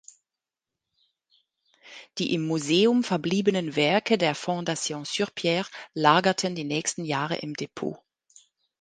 Die im Museum verbliebenen Werke der Fondation Surpierre lagerten die nächsten Jahre im Depot.